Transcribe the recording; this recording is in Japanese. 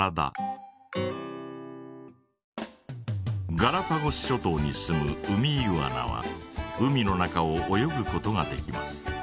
ガラパゴス諸島に住むウミイグアナは海の中を泳ぐことができます。